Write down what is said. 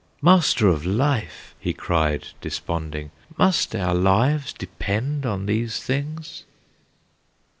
"Master of Life!" he cried, desponding, "Must our lives depend on these things?"